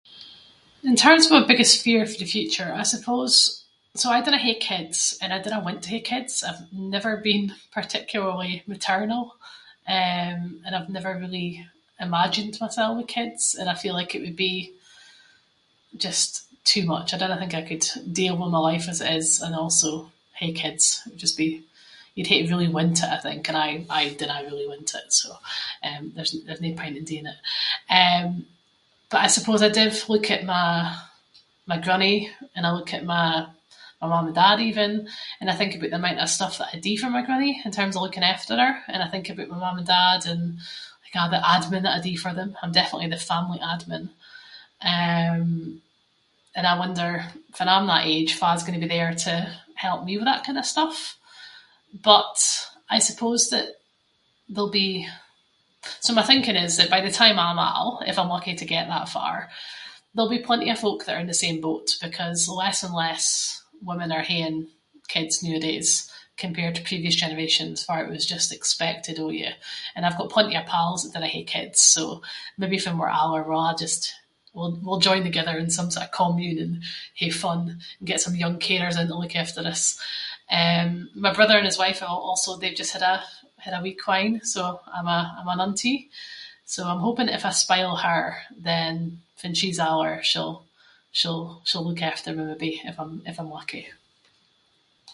In terms of my biggest fear for the future I suppose- so I dinna hae kids, and I dinna want to hae kids. I’ve never been particularly maternal, eh and I’ve never really imagined mysel with kids, and I feel like it would be, just, too much. I dinna think I could deal with my life as it is and also hae kids, just- you’d hae to really want it I think and I- I dinna really want it so, eh, there’s no- there’s no point in doing it. Eh but I suppose I div look at my- my grannie and I look at my- my mum and dad even, and I think about the amount of stuff that I do for my grannie, in terms of looking after her. And I think aboot my mum and dad and like a’ the admin that I do for them. I’m definitely the family admin. Eh, and I wonder fann I’m that age fa’s going to be there to help me with that kind of stuff? But, I suppose that there’ll be- so my thinking is, is by the time I’m old, if I’m lucky to get that far, there’ll be plenty of folk that are in the same boat, because less and less women are haeing kids nooadays, compared to previous generations farr it was just expected of you. And I’ve got plenty of pals that dinna hae kids, so maybe fann we’re older we’ll a’ just- we’ll- we’ll join the-gither in some sort of a commune and hae fun and get some young carers in to look after us. Eh my brother and his wife, they’ve also just had a- they’ve just had a wee quine. So, I’m a- I’m an auntie. So, I’m hoping if I spoil her, then fann she’s older, she’ll- she’ll- she’ll look after me maybe, if I’m- if I’m lucky.